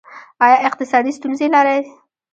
ایا اقتصادي ستونزې لرئ؟